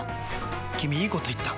君いいこと言った！